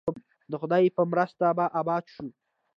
د خدای په مرسته به اباد شو؟